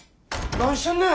何してんねん！